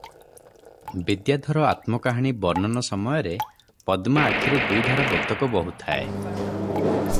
ବିଦ୍ୟାଧର ଆତ୍ମକାହାଣୀ ବର୍ଣ୍ଣନ ସମୟରେ ପଦ୍ମା ଆଖିରୁ ଦୁଇଧାର ଲୋତକ ବହୁଥାଏ ।